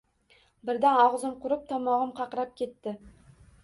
Birdan og‘zim qurib, tomog‘im qaqrab ketdi